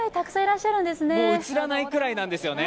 映らないくらいなんですよね。